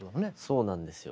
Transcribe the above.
そうなんですよ。